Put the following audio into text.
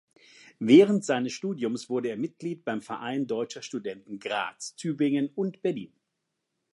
Während seines Studiums wurde er Mitglied beim "Verein Deutscher Studenten Graz, Tübingen und Berlin".